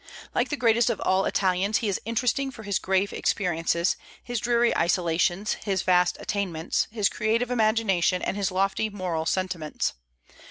Like the greatest of all Italians, he is interesting for his grave experiences, his dreary isolations, his vast attainments, his creative imagination, and his lofty moral sentiments.